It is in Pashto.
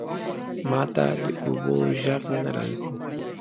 ماته د اوبو ژغ نه راځی